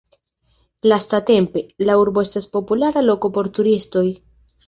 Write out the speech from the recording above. Lastatempe, la urbo estas populara loko por turistoj.